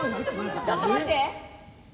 ちょっと待って。